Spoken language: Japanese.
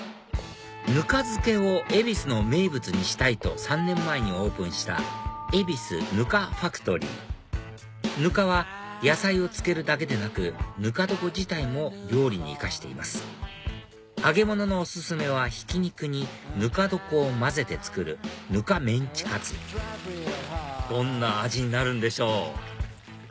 ぬか漬けを恵比寿の名物にしたいと３年前にオープンしたｅｂｉｓｕＮＵＫＡｆａｃｔｏｒｙ．ぬかは野菜を漬けるだけでなくぬか床自体も料理に生かしています揚げ物のお薦めはひき肉にぬか床を混ぜて作る糠メンチカツどんな味になるんでしょう？